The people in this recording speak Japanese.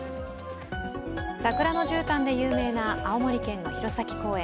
桜のじゅうたんで有名な青森県の弘前公園。